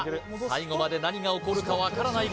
最後まで何が起こるか分からない